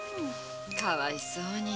かわいそうに。